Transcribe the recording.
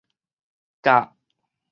較